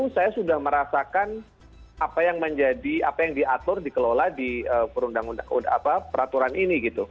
dua ribu satu saya sudah merasakan apa yang diatur dikelola di peraturan ini